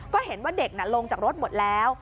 ก็เห็นว่าเด็กลงจากรถหมดแล้ว